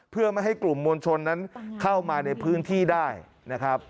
เพื่อไม่ให้กลุ่มมวลชนนั้นเข้ามาในพื้นที่ได้นะครับ